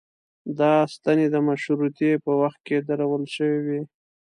دا ستنې د مشروطې په وخت کې درول شوې وې.